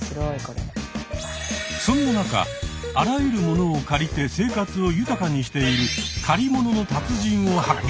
そんな中あらゆる物を借りて生活を豊かにしている借りものの達人を発見。